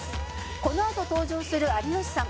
「このあと登場する有吉さん